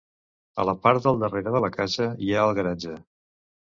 A la part del darrere de la casa, hi ha el garatge.